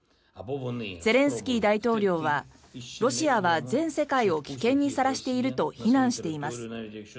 ゼレンスキー大統領はロシアは全世界を危険にさらしていると非難しています。